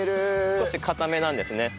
少し硬めなんですね。